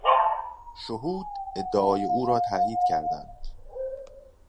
شهود ادعای او را تایید کردند.